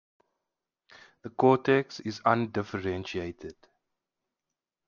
The cortex is undifferentiated.